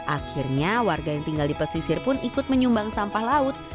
akhirnya warga yang tinggal di pesisir pun ikut menyumbang sampah laut